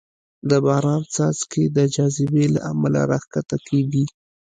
د باران څاڅکې د جاذبې له امله راښکته کېږي.